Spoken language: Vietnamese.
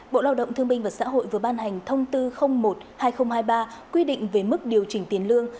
bộ lao động thương minh và xã hội vừa ban hành thông tư một hai nghìn hai mươi ba quy định về mức điều chỉnh tiền lương